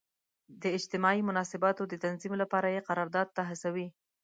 د اجتماعي مناسباتو د تنظیم لپاره یې قرارداد ته هڅوي.